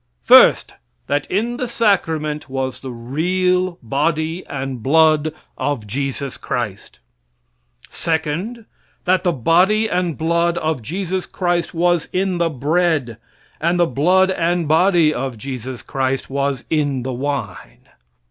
First, that in the sacrament was the real body and blood of Jesus Christ. Second, that the body and blood of Jesus Christ was in the bread, and the blood and body of Jesus Christ was in the wine.